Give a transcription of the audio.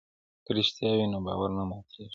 که رښتیا وي نو باور نه ماتیږي.